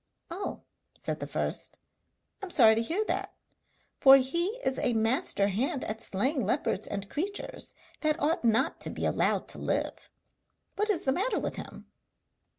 'Oh,' said the first, 'I'm sorry to hear that, for he is a master hand at slaying leopards and creatures that ought not to be allowed to live. What is the matter with him?'